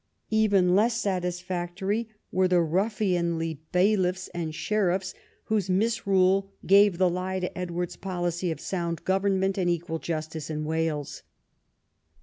Even less satisfactory were the ruffianly bailiff's and sheriffs, whose misrule gave the lie to Edward's policy of sound govern ment and equal justice in "Wales.